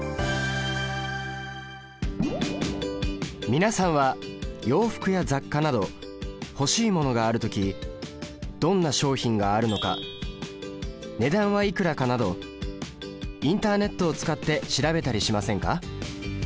皆さんは洋服や雑貨など欲しいものがある時どんな商品があるのか値段はいくらかなどインターネットを使って調べたりしませんか？